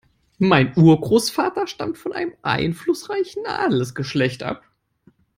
Mein Urgroßvater stammte von einem einflussreichen Adelsgeschlecht ab.